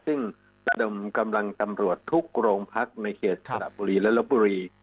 ซึ่งระดมกำลังตำรวจทุกโรงพักในเขตสระบุรีและลบบุรี